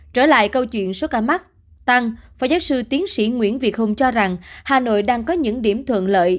trở lại câu chuyện số ca mắc tăng phó giáo sư tiến sĩ nguyễn việt hùng cho rằng hà nội đang có những điểm thuận lợi